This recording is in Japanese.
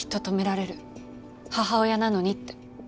母親なのにって。